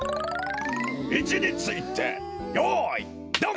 いちについてよいどん！